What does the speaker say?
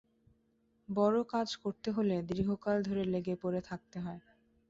বড় কাজ করতে হলে দীর্ঘকাল ধরে লেগে পড়ে থাকতে হয়।